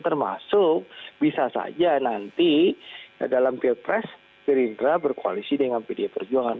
termasuk bisa saja nanti dalam pilpres gerindra berkoalisi dengan pdi perjuangan